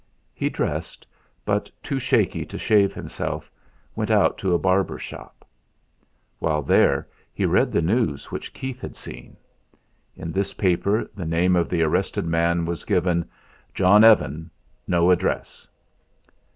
He dressed, but too shaky to shave himself, went out to a barber's shop. While there he read the news which Keith had seen. In this paper the name of the arrested man was given: "John Evan, no address."